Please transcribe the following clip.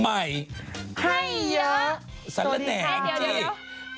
ให้เยอะสวัสดีค่ะเดี๋ยวสวัสดีค่ะสวัสดีค่ะสวัสดีค่ะ